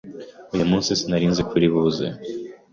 uyu munsi sinarizniko uri buze